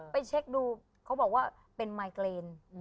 เช็คดูเขาบอกว่าเป็นไมเกรน